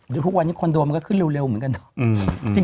เดี๋ยวพวกวันนี้คอนโดมันก็ขึ้นเร็วเหมือนกัน